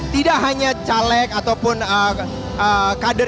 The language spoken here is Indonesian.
tidak hanya caleg ataupun kader